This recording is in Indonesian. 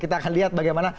kita akan lihat bagaimana